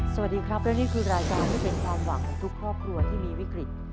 สวัสดีครับและนี่คือรายการที่เป็นความหวังของทุกครอบครัวที่มีวิกฤต